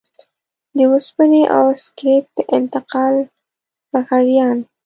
د وسپنې او سکريپ د انتقال لغړيان.